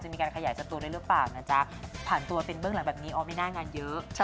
แม่จะได้สบาย